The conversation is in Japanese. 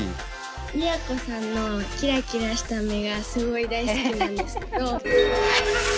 都さんのキラキラした目がすごい大好きなんですけど。